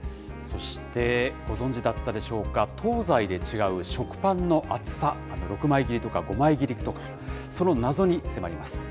そしてご存じだったでしょうか、東西で違う食パンの厚さ、６枚切りとか５枚切りとか、その謎に迫ります。